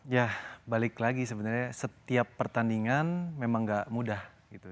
ya balik lagi sebenarnya setiap pertandingan memang gak mudah